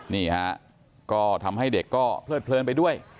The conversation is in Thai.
นี่ฮะก็ทำให้เด็กก็เพลิดเพลินไปด้วย